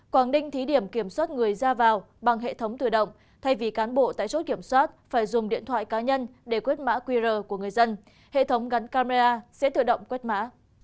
quảng ninh thí điểm kiểm soát người ra vào bằng hệ thống tự động thay vì cán bộ tại chốt kiểm soát phải dùng điện thoại cá nhân để quét mã qr của người dân hệ thống gắn camera sẽ tự động quét mã